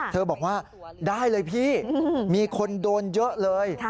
บอกว่าได้เลยพี่มีคนโดนเยอะเลย